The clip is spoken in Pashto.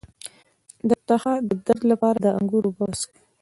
د تخه د درد لپاره د انګور اوبه وڅښئ